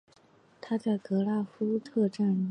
他在格拉夫洛特战役中帮助普军大败法国军队。